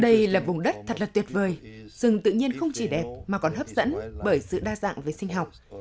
đây là vùng đất thật là tuyệt vời rừng tự nhiên không chỉ đẹp mà còn hấp dẫn bởi sự đa dạng về sinh học